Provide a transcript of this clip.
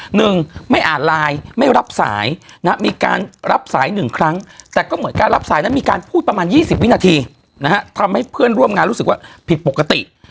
หนึ่งไม่อ่านไลน์ไม่รับสายนะมีการรับสายหนึ่งครั้งแต่ก็เหมือนการรับสายนั้นมีการพูดประมาณยี่สิบวินาทีนะฮะทำให้เพื่อนร่วมงานรู้สึกว่าผิดปกติ